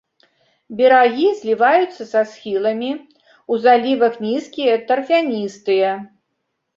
Берагі зліваюцца са схіламі, у залівах нізкія, тарфяністыя.